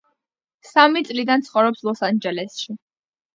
სამი წლიდან ცხოვრობს ლოს-ანჯელესში.